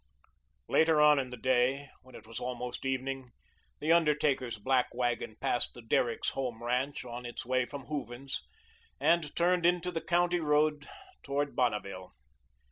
Later on in the day, when it was almost evening, the undertaker's black wagon passed the Derricks' Home ranch on its way from Hooven's and turned into the county road towards Bonneville.